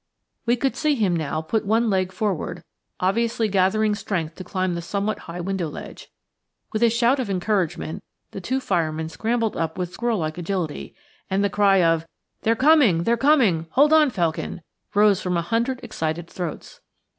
We could see him now put one leg forward, obviously gathering strength to climb the somewhat high window ledge. With a shout of encouragement the two firemen scrambled up with squirrel like agility, and the cry of "They're coming! they're coming! Hold on, Felkin!" rose from a hundred excited throats.